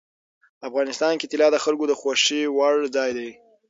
افغانستان کې طلا د خلکو د خوښې وړ ځای دی.